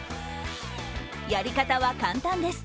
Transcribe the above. やり方は簡単です。